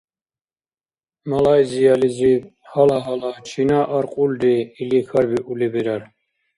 Малайзиялизиб гьала-гьала «Чина аркьулри?» или хьарбиули бирар.